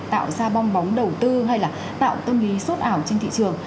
tạo ra bong bóng đầu tư hay là tạo tâm lý sốt ảo trên thị trường